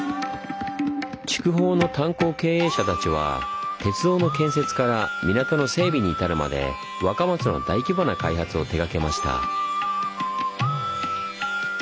筑豊の炭鉱経営者たちは鉄道の建設から港の整備に至るまで若松の大規模な開発を手がけました。